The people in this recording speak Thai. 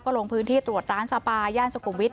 ลงพื้นที่ตรวจร้านสปาย่านสุขุมวิทย